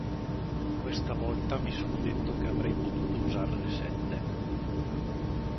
Questa volta mi sono detto che avrei potuto usarne sette.